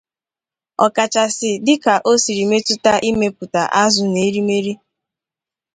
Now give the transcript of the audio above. ọkachasị dịka o siri metụta imepụta azụ nà erimeri